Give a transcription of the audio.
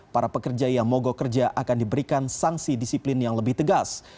para pekerja yang mogok kerja akan diberikan sanksi disiplin yang lebih tegas